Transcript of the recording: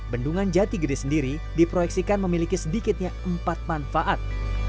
bendungan jatigede sendiri diproyeksikan memiliki sedikitnya empat manfaat